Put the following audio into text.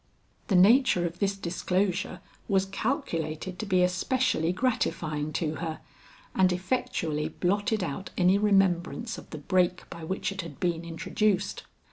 The nature of this disclosure was calculated to be especially gratifying to her, and effectually blotted out any remembrance of the break by which it had been introduced.